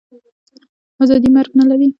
آزادي مرګ نه لري.